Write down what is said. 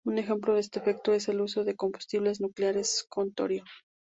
Un ejemplo de este efecto es el uso de combustibles nucleares con torio.